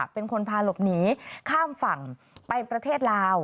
เป็นคนพาหลบหนีข้ามฝั่งไปประเทศลาว